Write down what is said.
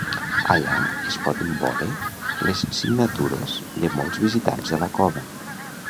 Allà es poden vore les signatures de molts visitants de la cova.